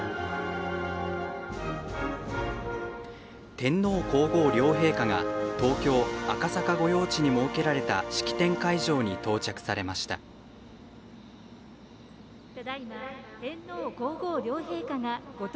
天皇皇后両陛下が東京・赤坂御用地に設けられた式典会場に到着されました。